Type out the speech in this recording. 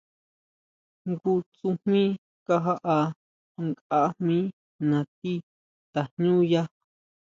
Jngu tsujmí kajaʼá nkʼa jmí nati tajñúya.